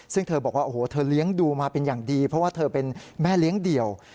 ซึ่งเธอบอกว่าโอ้โหเธอเลี้ยงดูมาเป็นอย่างดีเพราะว่าเธอเป็นแม่เลี้ยงเดี่ยว